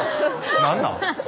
何なん？